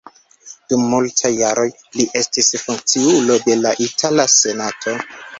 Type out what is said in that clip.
Dum multaj jaroj li estis funkciulo de la itala senato.